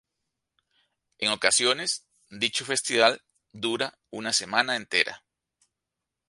En ocasiones dicho festival dura una semana entera.